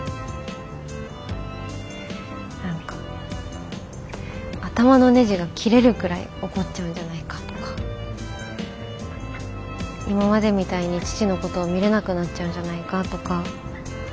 何か頭のネジが切れるくらい怒っちゃうんじゃないかとか今までみたいに父のことを見れなくなっちゃうんじゃないかとか。